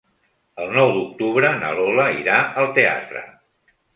El nou d'octubre na Lola irà al teatre.